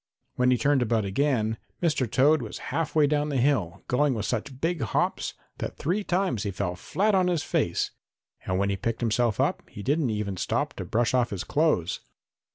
When he turned about again, Mr. Toad was half way down the hill, going with such big hops that three times he fell flat on his face, and when he picked himself up he didn't even stop to brush off his clothes.